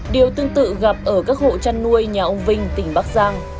điều tương tự gặp ở các hộ chăn nuôi nhà ông vinh tỉnh bắc giang